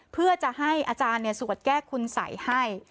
เพื่อจะให้อาจารย์สวดแก้คุณสัยให้